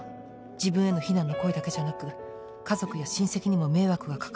自分への非難の声だけじゃなく家族や親戚にも迷惑がかかる。